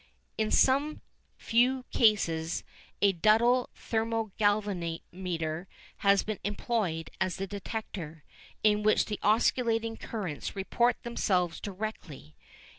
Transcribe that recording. In some few cases a Duddell thermo galvanometer has been employed as the detector, in which the oscillating currents report themselves directly.